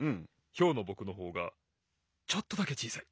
ヒョウのぼくのほうがちょっとだけちいさい。